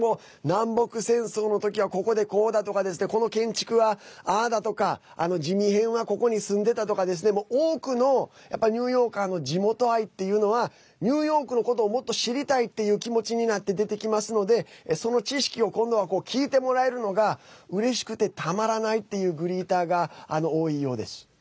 南北戦争の時はここでこうだとかこの建築はああだとかジミヘンはここに住んでたとか多くのニューヨーカーの地元愛っていうのはニューヨークのことをもっと知りたいっていう気持ちになって出てきますのでその知識を今度は聞いてもらえるのがうれしくてたまらないっていうグリーターが多いようです。